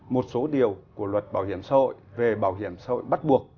một số điều của luật bảo hiểm xã hội về bảo hiểm xã hội bắt buộc